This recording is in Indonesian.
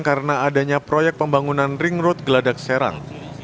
karena adanya proyek pembangunan ring road geladak serang